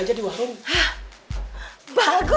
nggak masuk purga